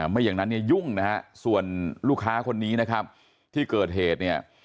ไม่อย่างนั้นเนี่ยยุ่งนะฮะส่วนลูกค้าคนนี้นะครับที่เกิดเหตุเนี่ย